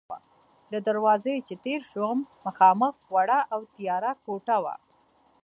له دروازې چې تېر شوم، مخامخ وړه او تیاره کوټه وه.